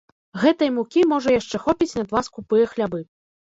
Гэтай мукі можа яшчэ хопіць на два скупыя хлябы.